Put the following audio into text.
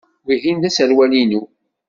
Wihin d aserwal-inu.